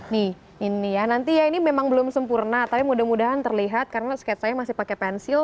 nih ini ya nanti ya ini memang belum sempurna tapi mudah mudahan terlihat karena sketsanya masih pakai pensil